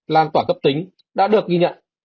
lan tỏa cấp tính đã được ghi nhận